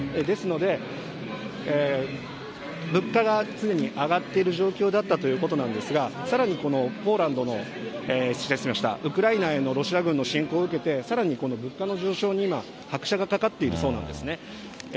ですので、物価が常に上がっている状況だったということなんですが、さらにこのポーランドの、失礼しました、ウクライナへのロシア軍の侵攻を受けて、さらにこの物価の上昇に今、拍車がかかっているそうなんですね。